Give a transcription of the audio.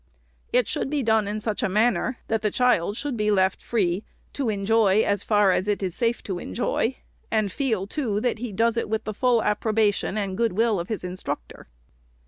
It should be done in such a manner, that the child should be left free to enjoy, as far as it is safe to enjoy, and feel, too, that he does it with the full approbation and good will of his instructor.